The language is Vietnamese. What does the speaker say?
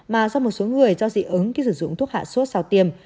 mà do một số người do dị ứng khi sử dụng thuốc hạ sốt sau tiêm